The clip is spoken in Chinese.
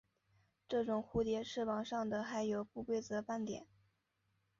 这种蝴蝶翅膀上的还有不规则斑点。